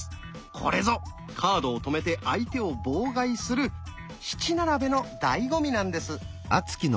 これぞカードを止めて相手を妨害する七並べのだいご味なんです！